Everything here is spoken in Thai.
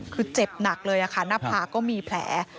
คือเจ็บหนักเลยค่ะหน้าผากก็มีแผล